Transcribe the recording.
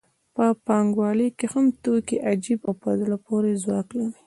په پانګوالۍ کې هم توکي عجیب او په زړه پورې ځواک لري